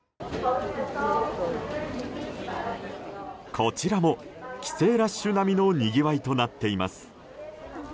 こちらも帰省ラッシュなみのにぎわいとなっています。